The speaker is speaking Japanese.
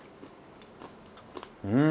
うん！